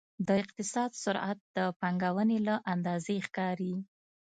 د اقتصاد سرعت د پانګونې له اندازې ښکاري.